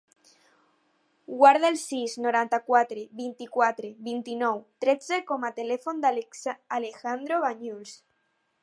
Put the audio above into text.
Guarda el sis, noranta-quatre, vint-i-quatre, vint-i-nou, tretze com a telèfon de l'Alejandro Bañuls.